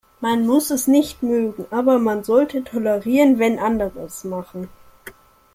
Man muss es nicht mögen, aber man sollte tolerieren, wenn andere es machen.